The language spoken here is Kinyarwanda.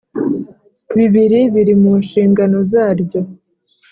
bibiri biri mu nshingano zaryo